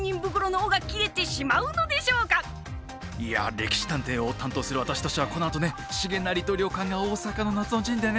「歴史探偵」を担当する私としてはこのあとね重成と良寛が大坂の夏の陣でね。